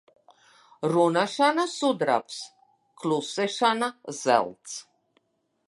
Runāšana sudrabs, klusēšana zelts.